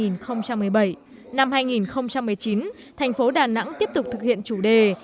năm hai nghìn một mươi chín tp đà nẵng tiếp tục thực hiện chủ đề